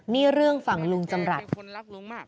นี่เรื่องฝั่งลุงจำรัด